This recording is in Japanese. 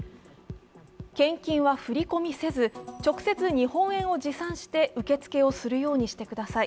献金は振り込みせず、直接日本円を持参して受け付けをするようにしてください。